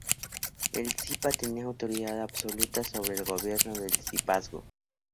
El Zipa tenía autoridad absoluta sobre el gobierno del Zipazgo.